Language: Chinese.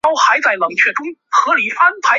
期间曾于德国佛莱堡大学进修一年。